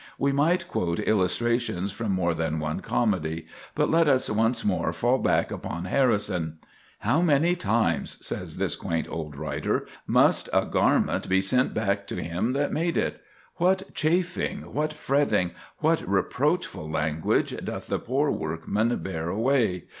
We might quote illustrations from more than one comedy; but let us once more fall back upon Harrison. "How many times," says this quaint old writer, "must a garment be sent back to him that made it? What chafing, what fretting, what reproachful language doth the poor workman bear away....